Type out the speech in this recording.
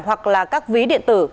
hoặc là các ví điện tử